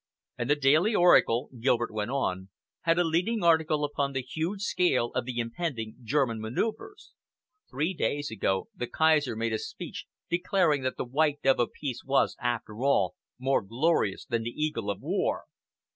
"And the Daily Oracle," Gilbert went on, "had a leading article upon the huge scale of the impending German manoeuvres. Three days ago, the Kaiser made a speech declaring that the white dove of peace was, after all, more glorious than the eagle of war!"